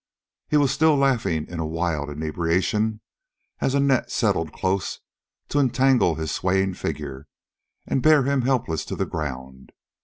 He was still laughing in a wild inebriation as a net settled close to entangle his swaying figure and bear him helpless to the ground.